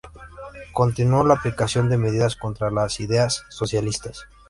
Continuó la aplicación de medidas contra las ideas socialistas.